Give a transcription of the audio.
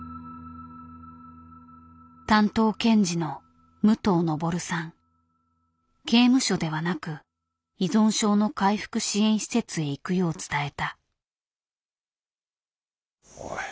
担当検事の刑務所ではなく依存症の回復支援施設へ行くよう伝えた。